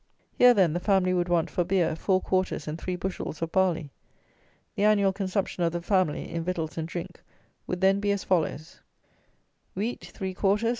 Here, then, the family would want, for beer, four quarters and three bushels of barley. The annual consumption of the family, in victuals and drink, would then be as follows: Qrs.